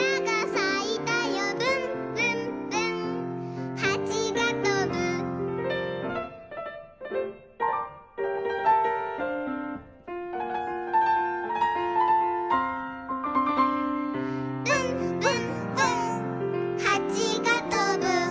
「ぶんぶんぶんはちがとぶ」「ぶんぶんぶんはちがとぶ」